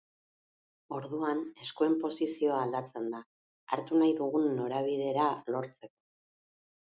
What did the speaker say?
Orduan eskuen posizioa aldatzen da, hartu nahi dugun norabidera lortzeko.